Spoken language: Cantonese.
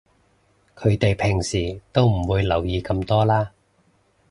佢哋平時都唔會留意咁多啦